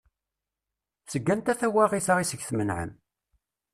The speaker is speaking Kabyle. Seg wanta tawaɣit-a iseg d-tmenɛem?